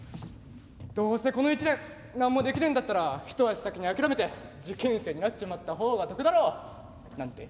どうせこの１年何もできねえんだったら一足先に諦めて受験生になっちまった方が得だろうなんて。